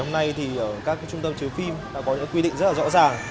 các trung tâm chứa phim đã có những quy định rất là rõ ràng